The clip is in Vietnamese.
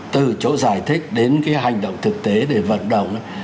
từ chỗ giải thích đến cái hành động thực tế để vận động